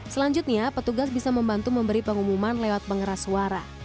selanjutnya petugas bisa membantu memberi pengumuman lewat pengeras suara